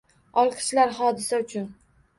Olqishlar Hodisa uchun!